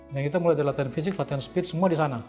yang kita mulai ada latihan fisik latihan speed semua di sana